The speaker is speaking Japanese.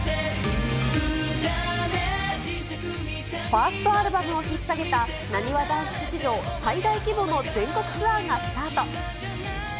ファーストアルバムをひっ提げたなにわ男子史上最大規模の全国ツアーがスタート。